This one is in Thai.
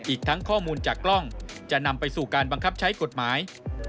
อีกทั้งข้อมูลจากกล้องจะนำไปสู่การบังคับใช้กฎหมาย